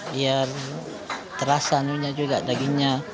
biar terasa juga dagingnya